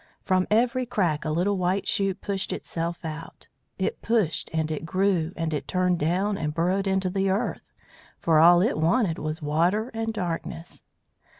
From every crack a little white shoot pushed itself out. It pushed and it grew, and it turned down and burrowed into the earth, for all it wanted was water and darkness.